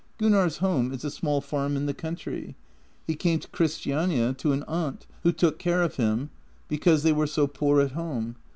" Gunnar's home is a small farm in the country. He came to Christiania, to an aunt, who took care of him, because they were so poor at home.